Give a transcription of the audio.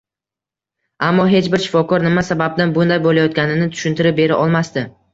Ammo hech bir shifokor nima sababdan bunday bo`layotganini tushuntirib bera olmasdi